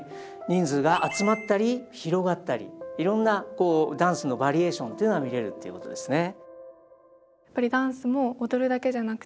人数が集まったり広がったりいろんなダンスのバリエーションっていうのが見れるっていうことですね。